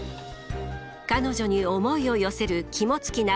彼女に思いを寄せる肝付尚